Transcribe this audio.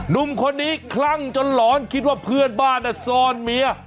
หนุ่มคนนี้คลั่งจนหลอนคิดว่าเพื่อนบ้านซ่อนเมีย